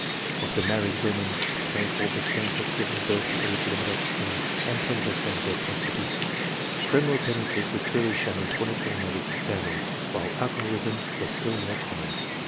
Of the married women, 4 per cent had given birth to illegitimate offspring, and 10 per cent were prostitutes. Criminal tendencies were clearly shown in 24 members of the family, while alcoholism was still more common.